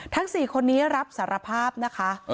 ทั้ง๔คนนี้รับสารภาพนะค่ะ